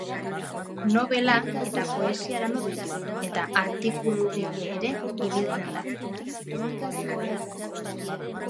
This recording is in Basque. Nobela eta poesia landu ditu, eta artikulugile ere ibiltzen da.